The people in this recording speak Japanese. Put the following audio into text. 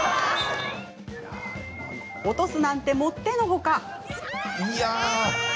落とすなんて、もってのほか！